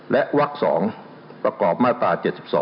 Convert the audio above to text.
และวัก๒ประกอบมาตรา๗๒